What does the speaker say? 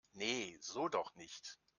Nee, so doch nicht!